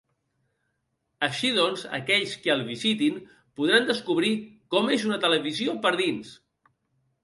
Així, doncs, aquells qui el visitin podran descobrir com és una televisió per dins.